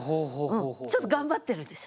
ちょっと頑張ってるでしょ。